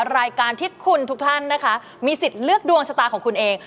รายการที่คุณทุกท่านนะคะมีสิทธิ์เลือกดวงชะตาของคุณเอง